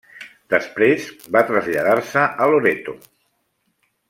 Després va traslladar-se a Loreto.